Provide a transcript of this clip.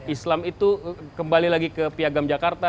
islam itu kembali lagi ke piagam jakarta